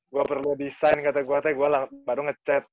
gue perlu desain katanya gue baru ngechat